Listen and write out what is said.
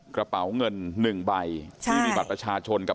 กระเป๋าเงิน๑ใบที่มีบัตรประชาชนกับ